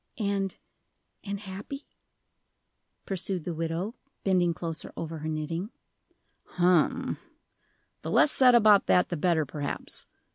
"And and happy?" pursued the widow, bending closer over her knitting. "Hum the less said about that the better, perhaps.